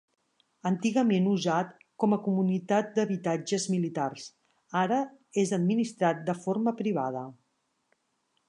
Antigament usat com a comunitat d'habitatges militars, ara és administrat de forma privada.